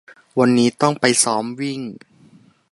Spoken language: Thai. วันนี้ต้องไปซ้อมวิ่ง